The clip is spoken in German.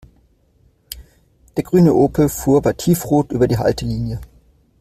Der grüne Opel fuhr bei Tiefrot über die Haltelinie.